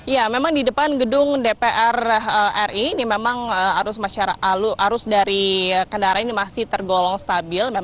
ya memang di depan gedung dpr ri ini memang arus dari kendaraan ini masih tergolong stabil